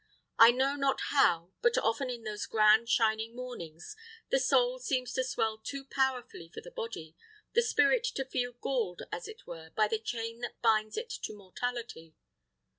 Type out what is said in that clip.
I know not how, but often in those grand shining mornings the soul seems to swell too powerfully for the body; the spirit to feel galled, as it were, by the chain that binds it to mortality.